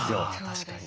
確かに。